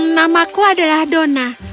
namaku adalah dona